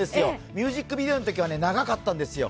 ミュージックビデオのときは長かったんですよ。